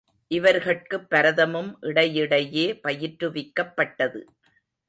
இவர்கட்குப் பரதமும் இடையிடையே பயிற்றுவிக்கப்பட்டது.